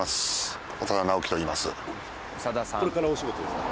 これからお仕事ですか？